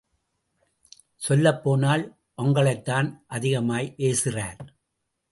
சொல்லப் போனால் ஒங்களைத்தான் அதிகமாய் ஏசுறார்.